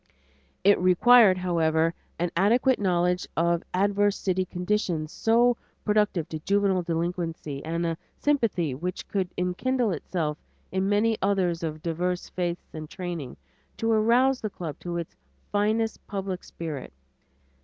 It required, however, an adequate knowledge of adverse city conditions so productive of juvenile delinquency and a sympathy which could enkindle itself in many others of divers faiths and training, to arouse the club to its finest public spirit.